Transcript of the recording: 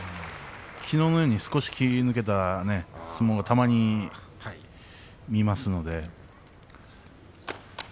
きのうのように少し気が抜けた相撲がたまに見られますよね。